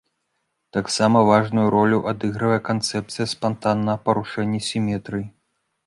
Таксама важную ролю адыгрывае канцэпцыя спантаннага парушэння сіметрыі.